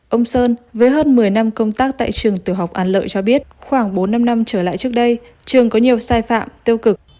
ông sơn với hơn một mươi năm công tác tại trường tiểu học an lợi cho biết khoảng bốn năm năm trở lại trước đây trường có nhiều sai phạm tiêu cực